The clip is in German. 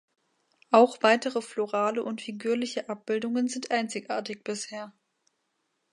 Auch weitere florale und figürliche Abbildungen sind einzigartig bisher.